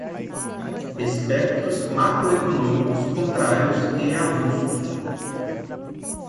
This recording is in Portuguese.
Espectros macroeconômicos contrários e avulsos